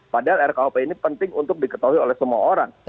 padahal rkuhp ini penting untuk diketahui oleh semua orang